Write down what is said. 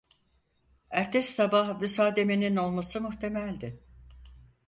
Ertesi sabah müsademenin olması muhtemeldi.